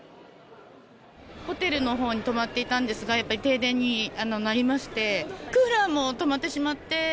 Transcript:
ホテルのほうに泊まっていたんですが、やっぱり停電になりまして、クーラーも止まってしまって。